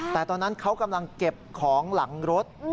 แต่ตอนนั้นเขากำลังเก็บของหลังรถ